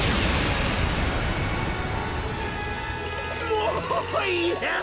もう嫌！